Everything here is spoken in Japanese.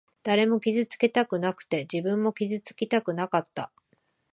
誰も傷つけたくなくて、自分も傷つきたくなかった。